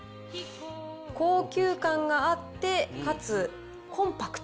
高級感があって、かつコンパクト。